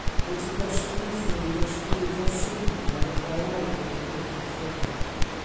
Maent yn gwasanaethu i drosglwyddo seiniau o'r awyr i'r cochlea.